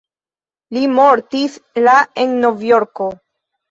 Li mortis la en Novjorko.